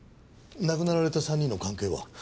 亡くなられた３人の関係は？